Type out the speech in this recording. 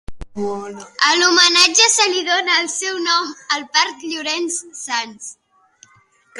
En homenatge se li donà el seu nom al parc Llorenç Sans.